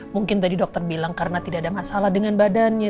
mungkin tadi dokter bilang karena tidak ada masalah dengan badannya